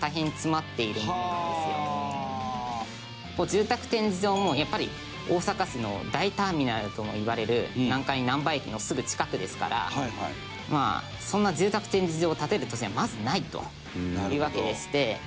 住宅展示場もやっぱり大阪市の大ターミナルともいわれる南海難波駅のすぐ近くですからまあそんな住宅展示場を建てる土地はまずないというわけでして。